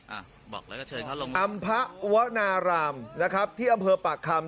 อ่ะบอกแล้วก็เชิญเขาลงอำภวนารามนะครับที่อำเภอปากคำ